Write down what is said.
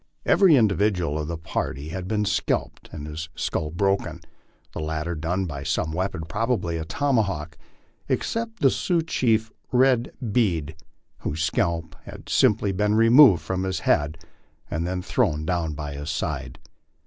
Every individual of the party had been scalped and his skull broken the lat ter done by some weapon, probably a tomahawk except the Sioux chief Red Bead, whose scalp had simply been removed from his head and then thrown down by his side.